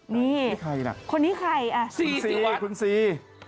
นี่คนนี้ใครล่ะคุณซีวันคุณซี